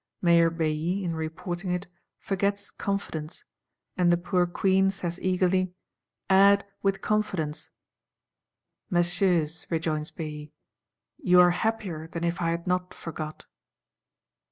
Mayor Bailly, in reporting it, forgets "confidence;" and the poor Queen says eagerly: 'Add, with confidence.'—'Messieurs,' rejoins Bailly, 'You are happier than if I had not forgot.